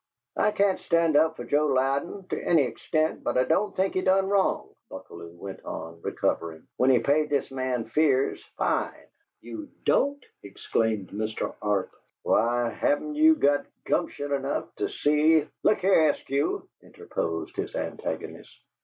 "I can't stand up for Joe Louden to any extent, but I don't think he done wrong," Buckalew went on, recovering, "when he paid this man Fear's fine." "You don't!" exclaimed Mr. Arp. "Why, haven't you got gumption enough to see " "Look here, Eskew," interposed his antagonist.